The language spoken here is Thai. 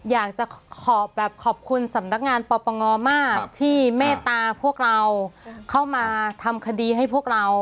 อยากจะขอแบบขอบคุณสำนักงานปปงมากที่เมตตาพวกเราเข้ามาทำคดีให้พวกเรา